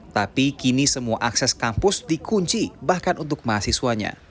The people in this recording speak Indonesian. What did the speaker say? tapi kini semua akses kampus dikunci bahkan untuk mahasiswanya